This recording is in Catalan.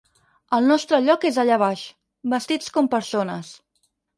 El nostre lloc és allà baix, vestits com persones!